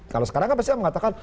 kalau sekarang pasti saya mengatakan